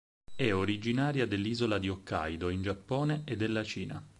È originaria dell'isola di Hokkaidō in Giappone e della Cina.